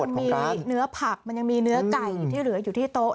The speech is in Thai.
มันมีเนื้อผักมันยังมีเนื้อไก่ที่เหลืออยู่ที่โต๊ะ